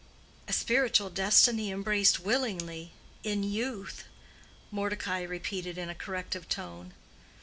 "A spiritual destiny embraced willingly—in youth?" Mordecai repeated in a corrective tone.